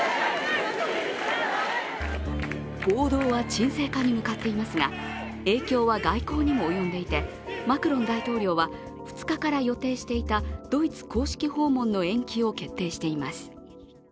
暴動は沈静化に向かっていますが影響は外交にも及んでいてマクロン大統領は、２日から予定していたドイツ公式訪問の延期を決定しています。